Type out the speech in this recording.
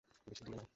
বেশি দূরে নয়।